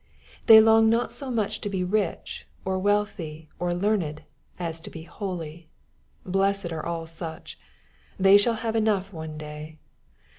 They long not so much to be rich, or wealthy, or learned, as to be holy. Blessed are all such 1 They shall have enough one day.